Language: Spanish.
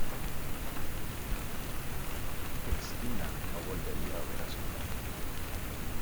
Cristina no volvería a ver a su padre.